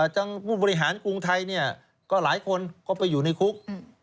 จังห์บริหารกรุงไทยก็หลายคนก็ไปอยู่ในคุก